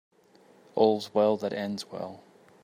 All's well that ends well.